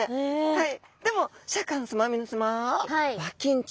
はい。